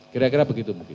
kira kira begitu mungkin